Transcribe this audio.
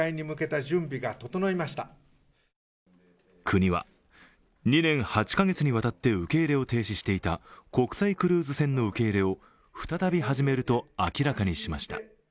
国は２年８か月にわたって受け入れを停止していた国際クルーズ船の受け入れを再び始めると明らかにしました。